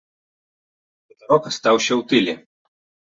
Хутарок астаўся ў тыле.